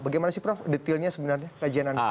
bagaimana sih prof detailnya sebenarnya